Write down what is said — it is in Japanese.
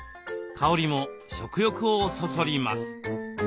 香りも食欲をそそります。